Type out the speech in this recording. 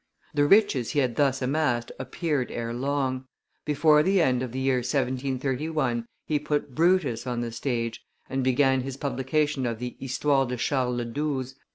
The riches he had thus amassed appeared ere long: before the end of the year 1731 he put Brutus on the stage, and began his publication of the _Histoire de Charles XII.